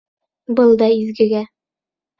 Был да изгегә.